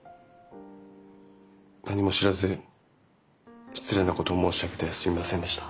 何も知らず失礼なことを申し上げてすいませんでした。